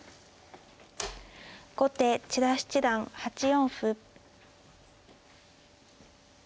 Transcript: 後手千田七段８四歩。